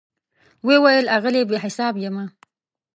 وی ویل آغلې , بي حساب یمه